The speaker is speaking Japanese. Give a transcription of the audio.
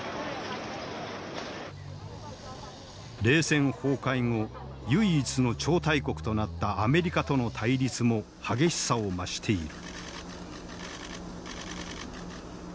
冷戦崩壊後唯一の超大国となったアメリカとの対立も激しさを増している。